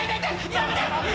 やめて！